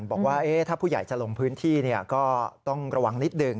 บอกว่าถ้าผู้ใหญ่จะลงพื้นที่ก็ต้องระวังนิดหนึ่ง